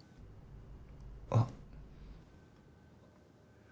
あっ。